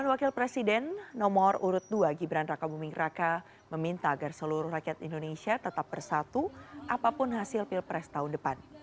wakil presiden nomor urut dua gibran raka buming raka meminta agar seluruh rakyat indonesia tetap bersatu apapun hasil pilpres tahun depan